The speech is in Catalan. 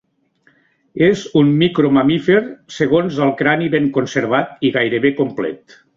És un micro mamífer, segons el crani ben conservat i gairebé complet.